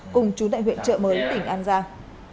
cùng chú tại huyện trợ mới tỉnh an giang